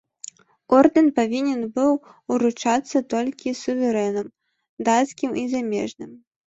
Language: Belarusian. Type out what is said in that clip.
Ордэн павінен быў уручацца толькі суверэнам, дацкім і замежным.